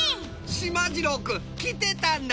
しまじろうくん来てたんだ。